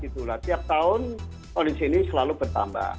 setiap tahun kondisi ini selalu bertambah